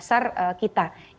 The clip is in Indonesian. itu yang kemudian menyebabkan